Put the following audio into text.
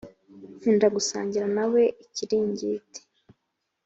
nkunda gusangira nawe ikiringiti